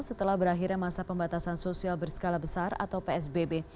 setelah berakhirnya masa pembatasan sosial berskala besar atau psbb